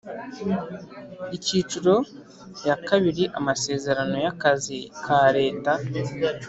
Icyiciro ya kabiri Amasezerano y akazi ka leta